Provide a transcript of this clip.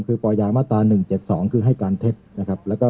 คือปอยามาตราหนึ่งเจ็ดสองคือให้การเท็ดนะครับแล้วก็